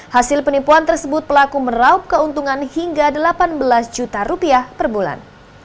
hasil penipuan tersebut pelaku meraup keuntungan hingga delapan belas juta rupiah per bulan